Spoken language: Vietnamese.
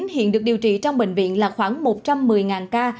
hiện được điều trị trong bệnh viện là khoảng một trăm một mươi ca